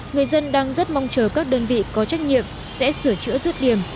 người dân đang rất mong chờ các đơn vị có trách nhiệm sẽ sửa chữa rút điểm